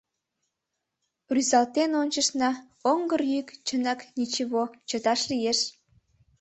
Рӱзалтен ончышна: оҥгыр йӱк, чынак ничего, чыташ лиеш!